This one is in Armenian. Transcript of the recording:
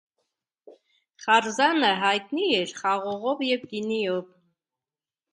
Խարզանը հայտնի էր խաղողով և գինիով։